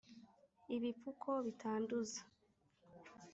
ibipfuko bitanduza